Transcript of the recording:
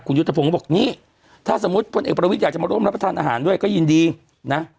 ยุทธพงศ์ก็บอกนี่ถ้าสมมุติพลเอกประวิทย์อยากจะมาร่วมรับประทานอาหารด้วยก็ยินดีนะ